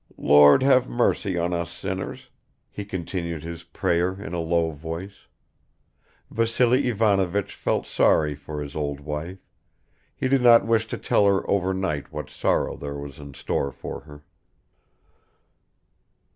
Lord have mercy on us sinners," he continued his prayer in a low voice. Vassily Ivanovich felt sorry for his old wife; he did not wish to tell her overnight what sorrow there was in store for her.